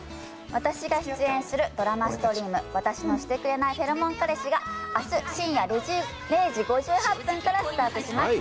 私が出演するドラマストリーム「私のシてくれないフェロモン彼氏」が明日深夜０時５８分からスタートします。